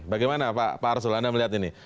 bagaimana pak arsul anda melihat ini